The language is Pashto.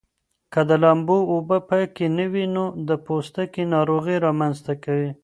که د لامبو اوبه پاکې نه وي نو د پوستکي ناروغۍ رامنځته کوي.